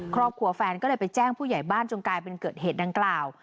แฟนก็เลยไปแจ้งผู้ใหญ่บ้านจนกลายเป็นเกิดเหตุดังกล่าว